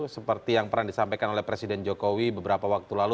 seperti yang pernah disampaikan oleh presiden jokowi beberapa waktu lalu